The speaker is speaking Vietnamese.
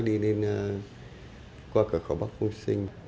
đi lên qua cửa khẩu bắc hồ sinh